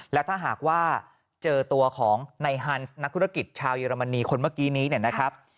แล้วถ้าหากว่าเจอตัวของในฮันส์นักธุรกิจชาวเยอรมนีคนเมื่อกี้นี้เนี่ยนะครับ